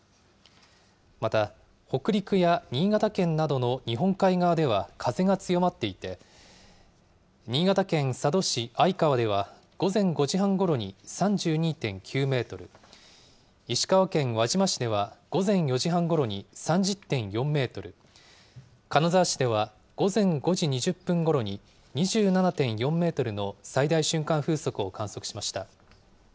また、北陸や新潟県などの日本海側では風が強まっていて、新潟県佐渡市相川では午前５時半ごろに３２．９メートル、石川県輪島市では午前４時半ごろに３０．４メートル、金沢市では午前５時２０分ごろに、２７．４メートルの最大瞬間風速を観測しました。